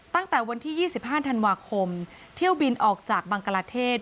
ตั้งแต่วันที่๒๕ธันวาคมเที่ยวบินออกจากบังกลาเทศ